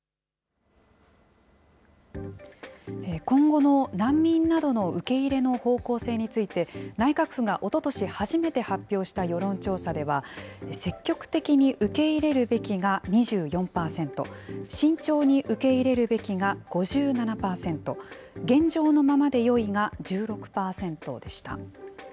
今後の難民などの受け入れの方向性について、内閣府がおととし初めて発表した世論調査では、積極的に受け入れるべきが２４％、慎重に受け入れるべきが５７％、現状のままでよいが１６％でした。